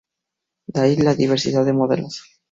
De ahí la diversidad de modelos.